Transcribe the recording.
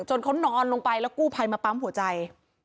เขานอนลงไปแล้วกู้ภัยมาปั๊มหัวใจ